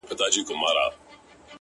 اوس مي ذهن كي دا سوال د چا د ياد”